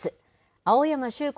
青山修子